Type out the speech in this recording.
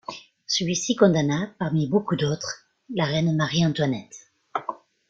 Celui-ci condamna, parmi beaucoup d'autres, la reine Marie-Antoinette.